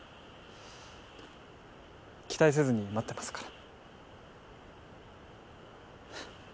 期待せずに待ってますから。